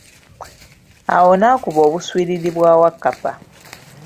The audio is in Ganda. Awo nakuba obuswiriri bwa Wakkapa.